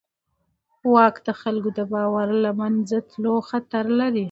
واک د خلکو د باور د له منځه تلو خطر لري.